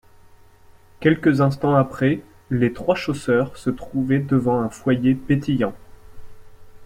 Quelques instants après, les trois chasseurs se trouvaient devant un foyer pétillant